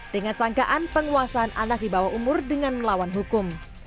dengan sangkaan penguasaan anak di bawah umur dengan melawan hukum